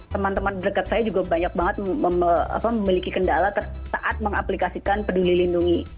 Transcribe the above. teman teman dekat saya juga banyak banget memiliki kendala saat mengaplikasikan peduli lindungi